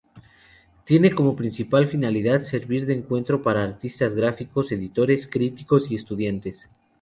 Tienen como principal finalidad servir de encuentro para artistas gráficos, editores, críticos y estudiantes.